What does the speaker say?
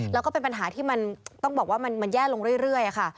แล้วก็เป็นปัญหาที่มันต้องบอกว่ามันแย่ลงเรื่อยค่ะ